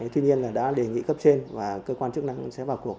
tuy nhiên là đã đề nghị cấp trên và cơ quan chức năng sẽ vào cuộc